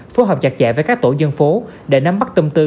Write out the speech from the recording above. phối hợp chặt chẽ với các tổ dân phố để nắm bắt tâm tư